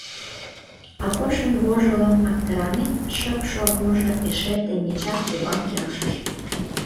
Акошын вожылын-аптыранен шып шогымыжо эше теҥгечак тудлан келшыш.